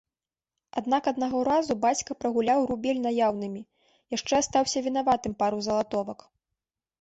Аднак аднаго разу бацька прагуляў рубель наяўнымі, яшчэ астаўся вінаватым пару залатовак.